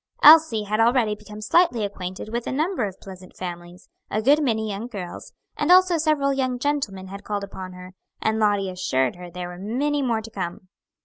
Elsie had already become slightly acquainted with a number of pleasant families; a good many young girls, and also several young gentlemen had called upon her, and Lottie assured her there were many more to come.